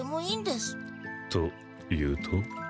と言うと？